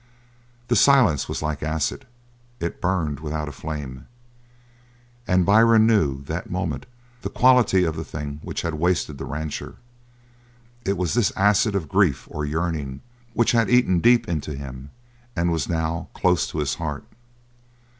The silence was like acid; it burned without a flame. And Byrne knew, that moment, the quality of the thing which had wasted the rancher. It was this acid of grief or yearning which had eaten deep into him and was now close to his heart.